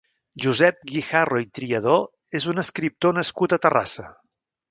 Josep Guijarro i Triadó és un escriptor nascut a Terrassa.